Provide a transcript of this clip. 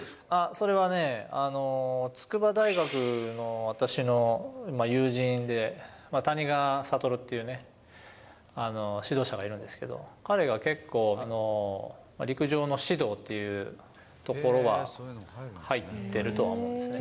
それはね、筑波大学の私の友人で、谷川聡っていうね、指導者がいるんですけど、彼が結構、陸上の指導っていうところは入ってるとは思うんですね。